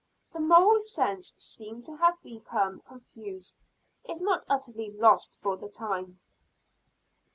The moral sense seemed to have become confused, if not utterly lost for the time.